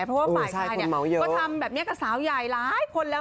เพราะว่าฝ่ายชายก็ทำแบบนี้กับสาวใหญ่หลายคนแล้ว